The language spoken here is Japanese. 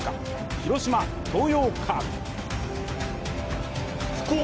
広島東洋カープ。